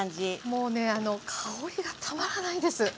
もうね香りがたまらないです。